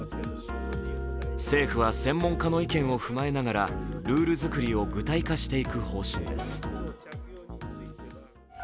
政府は専門家の意見を踏まえながらルール作りを具体化していく方針です。